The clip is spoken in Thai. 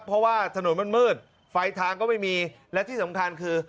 เพราะว่าถนนมันมืดไฟทางก็ไม่มีและที่สำคัญคือ